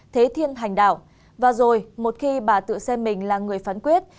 thế thiên hành đảo và rồi một khi bà tự xem mình là người phán quyết